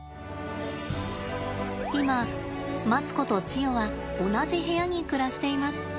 今マツコとチヨは同じ部屋に暮らしています。